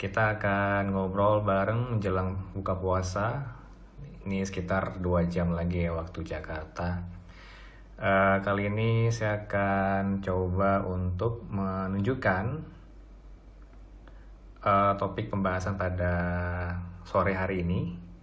topik pembahasan pada sore hari ini